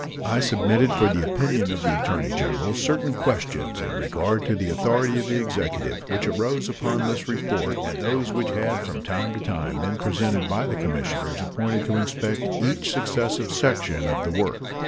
I submitted for the opinion of the Attorney General certain questions in regard to the authority of the Executive which arose upon this report and those which had from time to time been presented by the commissioners appointed to inspect each successive section of the work.